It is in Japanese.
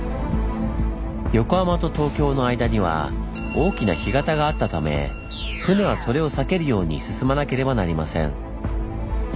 横浜と東京の間には大きな干潟があったため船はそれを避けるように進まなければなりません。